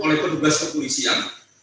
oleh petugas kepolisian